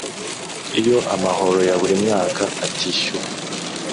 Iyo amahoro ya buri mwaka atishyuwe